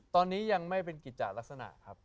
ตอนนี้ยังไม่เป็นกิจจากลักษณะครับ